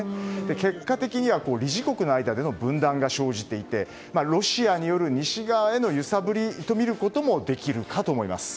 結果的には理事国の間での分断が生じていてロシアによる西側への揺さぶりとみることもできるかと思います。